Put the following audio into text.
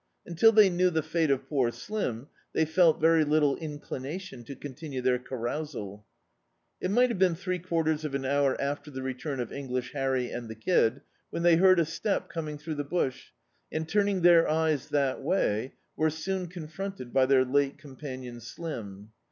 Until they knew the fate of poor Slim they felt very little inclination to continue their carousal. It mi^t have been three quarters of an hour after the return of English Harry and the Kid, when they heard a step coming throu^ the bush and, turning their eyes that way, were soon confrcmted by their late c(»npanion Slim.